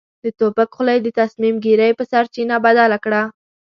د توپک خوله يې د تصميم ګيرۍ په سرچينه بدله کړه.